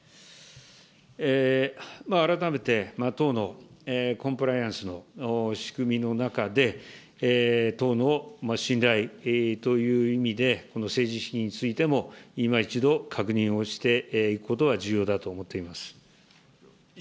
改めて党のコンプライアンスの仕組みの中で、党の信頼という意味で、この政治資金についても、いま一度確認をしていくことが重要だと思っております。